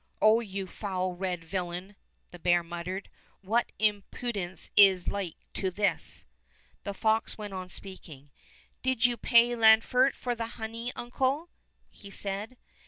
"O you foul red villain," the bear mut tered, "what impudence is like to this?" The fox went on speaking. "Did you pay Lanfert for the honey, uncle?" he said.